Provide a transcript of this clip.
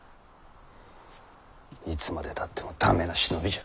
いつまでたっても駄目な忍びじゃ。